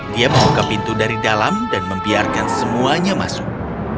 dia membuka pintu dari dalam dan membiarkan semuanya masuk